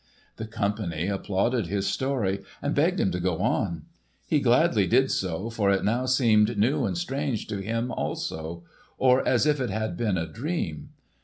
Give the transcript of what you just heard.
The company applauded his story and begged him to go on. He gladly did so, for it now seemed new and strange to him also; or as if it had been a dream.